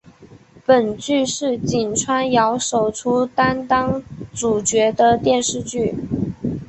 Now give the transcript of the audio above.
本剧是井川遥首出担当主角的电视剧。